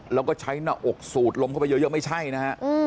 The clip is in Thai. แล้วก็ใช้หน้าอกสูดลมเข้าไปเยอะไม่ใช่นะฮะ